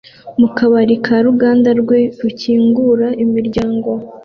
mu kabari ka ruganda rwe rukinguye imiryango